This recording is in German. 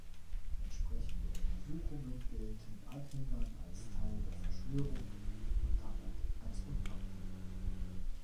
Entsprechende Untersuchungen gelten Anhängern als Teil der Verschwörung und damit als unglaubwürdig.